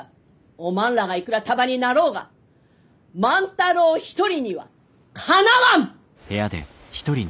おまんらがいくら束になろうが万太郎一人にはかなわん！